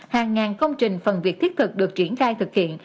hàng ngàn công trình phần việc thiết thực được triển khai thực hiện